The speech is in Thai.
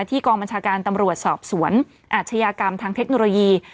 ที่กรมชาการตำรวจสอบสวนอัจฉยากรรมทางเทคโนโลยี